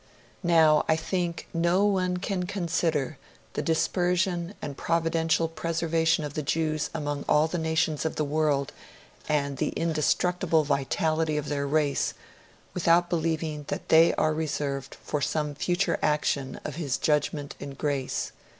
Now, I think no one can consider the dispersion and providential preservation of the Jews among all the nations of the world and the indestructible vitality of their race without believing that they are reserved for some future action of His judgment and Grace.